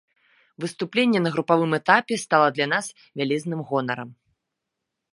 Выступленне на групавым этапе стала для нас вялізным гонарам.